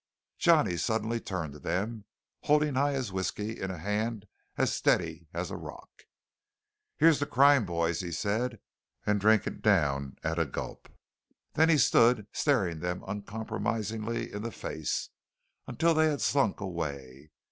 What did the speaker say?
Johnny suddenly turned to them, holding high his whiskey in a hand as steady as a rock. "Here's to crime, boys!" he said, and drank it down at a gulp. Then he stood staring them uncomprisingly in the face, until they had slunk away.